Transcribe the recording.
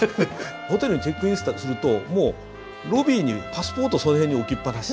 ホテルにチェックインしたとするともうロビーにパスポートをその辺に置きっぱなし。